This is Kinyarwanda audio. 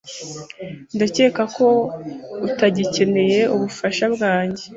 Ndakeka ko utagikeneye ubufasha bwanjye.